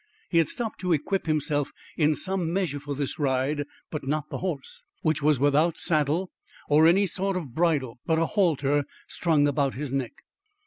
He had stopped to equip himself in some measure for this ride, but not the horse, which was without saddle or any sort of bridle but a halter strung about his neck.